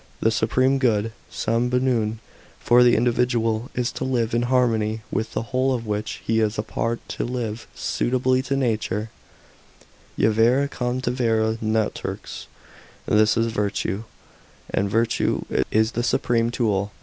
The supreme good (sammum bunum) for the individual, is to live in harmony with the whole of which he is a part —" to live suitably to nature " (yivere convenienter naturx). This is virtue, and virtue is the supreme goo I.